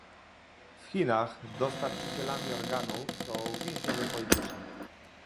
W Chinach dostarczycielami organów są więźniowie polityczni